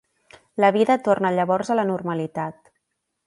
La vida torna llavors a la normalitat.